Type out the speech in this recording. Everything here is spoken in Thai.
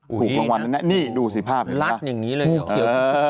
อุ้ยดูสิภาพลัดอย่างนี้เลยเหรอ